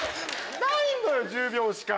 ないのよ１０秒しか。